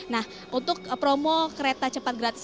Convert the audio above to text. nah untuk promo kereta cepat gratis